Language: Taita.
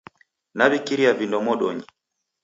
Naw'ikiria vindo modonyi